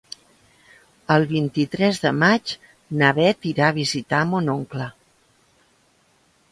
El vint-i-tres de maig na Beth irà a visitar mon oncle.